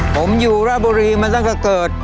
ผมอยู่ระบุรีมาตั้งแต่เกิด